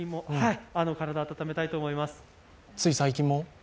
体を温めたいと思います。